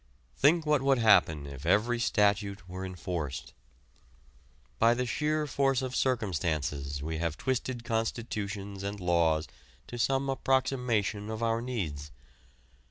Think what would happen if every statute were enforced. By the sheer force of circumstances we have twisted constitutions and laws to some approximation of our needs.